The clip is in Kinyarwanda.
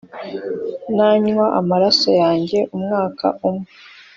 nanywa amaraso yanjye umwaka umwe,